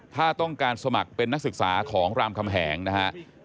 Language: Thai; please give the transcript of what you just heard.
ถ้าต้องการสมัครเป็นนักศึกษาของรามคำแหงนะฮะ